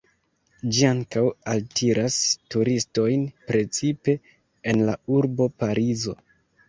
Ĝi ankaŭ altiras turistojn, precipe en la urbo Parizo.